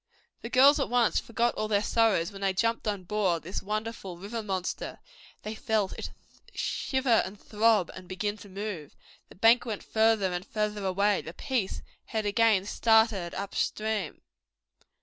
The girls at once forgot all their sorrows when they jumped on board this wonderful river monster. They felt it shiver and throb and begin to move. The bank went farther and farther away. The Peace had again started up stream.